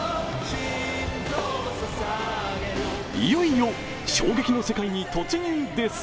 いよいよ衝撃の世界に突入です。